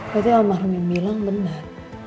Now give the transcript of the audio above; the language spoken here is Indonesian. berarti om mahrum yang bilang benar